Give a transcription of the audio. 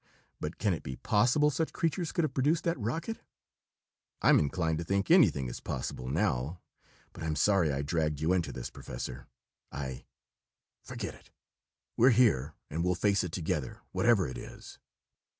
"But can it be possible such creatures could have produced that rocket?" "I'm inclined to think anything is possible, now! But I'm sorry I dragged you into this, Professor. I " "Forget it! We're here and we'll face it together, whatever it is."